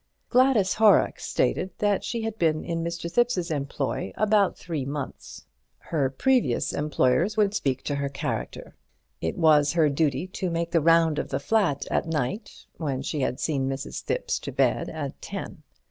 Gladys Horrocks stated that she had been in Mr. Thipps's employment about three months. Her previous employers would speak to her character. It was her duty to make the round of the flat at night, when she had seen Mrs. Thipps to bed at ten.